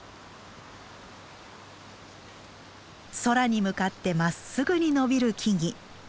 空に向かってまっすぐに伸びる木々。